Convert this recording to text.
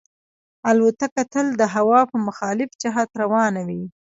الوتکه تل د هوا په مخالف جهت روانه وي.